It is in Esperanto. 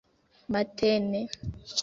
matene